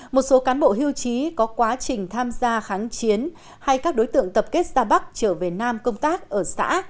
một số cán bộ hưu trí có quá trình tham gia kháng chiến hay các đối tượng tập kết ra bắc trở về nam công tác ở xã